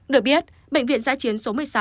được biết bệnh viện giã chiến số một mươi sáu